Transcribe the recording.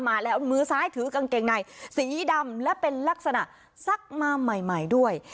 มาแล้วมือซ้ายถือกางเกงในสีดำและเป็นลักษณะซักมาใหม่ด้วย